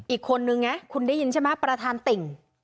อีกคนนึงไงคุณได้ยินใช่ไหมประธานติ่ง